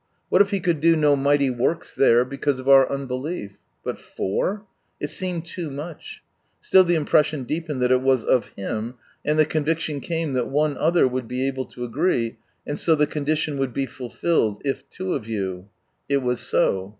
What if He could do no mighty works there because of our unbelief? Bul/ot/r ? It seemed loo much ; slill the impression deepened that it was of Him, and the conviction came that one other would be able to "agree," and so the con dition would be fulfilled, " If two of you." It was so.